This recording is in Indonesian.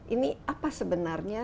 ini apa sebenarnya